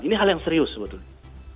ini hal yang serius sebetulnya